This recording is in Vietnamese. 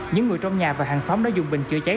những người trong nhà và hàng xóm đã dùng bình chữa cháy